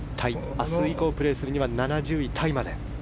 明日以降プレーするには７０位タイまで。